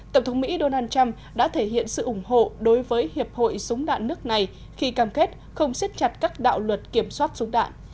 tổng thống mỹ donald trump đã thể hiện sự ủng hộ đối với hiệp hội súng đạn nước này khi cam kết không xiết chặt các đạo luật kiểm soát súng đạn